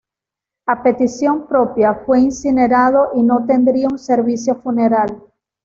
A petición propia, fue incinerado y no tendría un servicio funeral.